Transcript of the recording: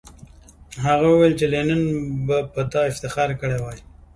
هغه وویل چې لینن به په تا افتخار کړی وای